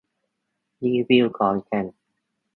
รีวิวขอนแก่น